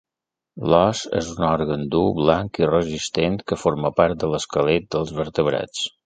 L'os és un òrgan dur, blanc i resistent que forma part de l'esquelet dels vertebrats.